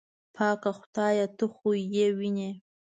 خدایه پاکه ته خو یې وینې.